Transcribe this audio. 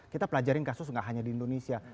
kita pelajarin kasus nggak hanya di indonesia